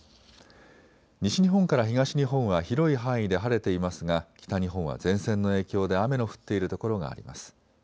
西日本から東日本は広い範囲で晴れていますが北日本は前線の影響で雨の降っているところがあります。